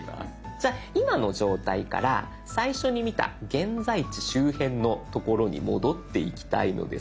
じゃあ今の状態から最初に見た現在地周辺の所に戻っていきたいのですが。